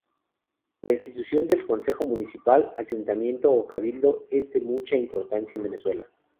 La institución del Concejo Municipal, Ayuntamiento o Cabildo es de mucha importancia en Venezuela.